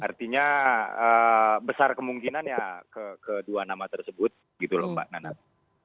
artinya besar kemungkinan ya kedua nama tersebut gitu lho mbak nanat